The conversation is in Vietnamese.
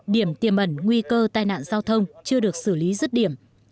điểm tiềm ẩn nguy cơ tai nạn giao thông chưa được xử lý rứt điểm